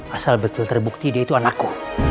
asal betul terbukti dia itu anakku